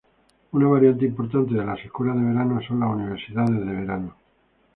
Una variante importante de las escuelas de verano son las universidades de verano.